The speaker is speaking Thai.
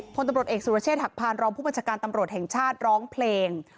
พลตำรวจเอกสุรเชษฐหักพานรองผู้บัญชาการตำรวจแห่งชาติร้องเพลง